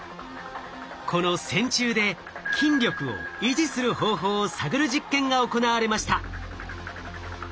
この線虫で筋力を維持する方法を探る実験が行われました。